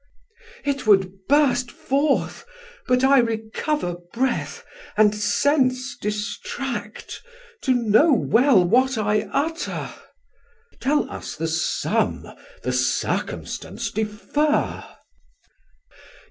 Mess: It would burst forth, but I recover breath And sense distract, to know well what I utter. Man: Tell us the sum, the circumstance defer.